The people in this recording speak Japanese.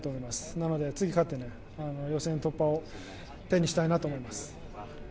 なので次、勝って予選突破したいと思います。